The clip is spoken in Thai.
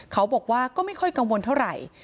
เขาบอกว่าก็ไม่ค่อยกังวลเท่าไหร่